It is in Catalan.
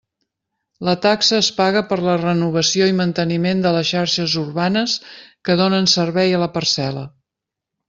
La taxa es paga per la renovació i manteniment de les xarxes urbanes que donen servei a la parcel·la.